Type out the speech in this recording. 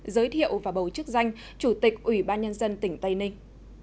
giới thiệu và bầu chức danh chủ tịch ủy ban nhân dân tỉnh tây ninh